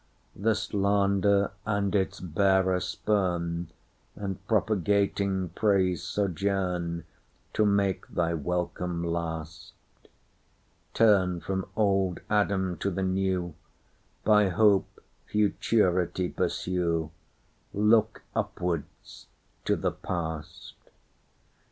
The slander and its bearer spurn, And propagating praise sojournTo make thy welcome last; Turn from old Adam to the New:By hope futurity pursue:Look upwards to the past.